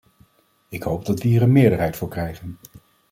Ik hoop dat we hier een meerderheid voor krijgen.